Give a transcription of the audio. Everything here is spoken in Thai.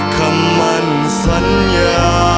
คำมั่นสัญญา